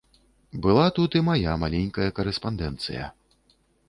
Была тут і мая маленькая карэспандэнцыя.